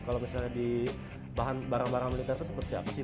kalau misalnya di bahan barang barang militer itu seperti apa sih